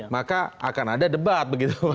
maka akan ada debat